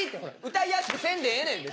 歌いやすくせんでええねん。